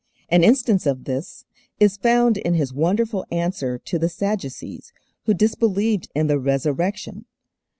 An instance of this is found in His wonderful answer to the Sadducees, who disbelieved in the Resurrection.